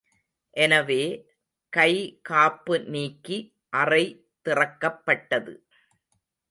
எனவே, கை காப்பு நீக்கி அறை திறக்கப்பட்டது.